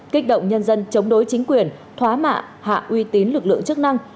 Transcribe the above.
kích động nhân dân chống đối chính quyền thoái mạ hạ uy tín lực lượng chức năng